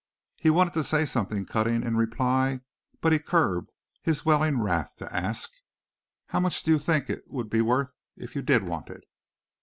He wanted to say something cutting in reply but he curbed his welling wrath to ask, "How much do you think it would be worth if you did want it?"